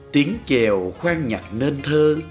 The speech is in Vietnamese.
tiếng trèo khoan nhạc nên thơ